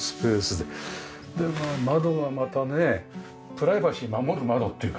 で窓がまたねプライバシー守る窓っていうか。